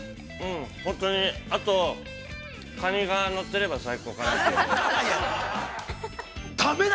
◆本当にカニが乗ってれば最高かな。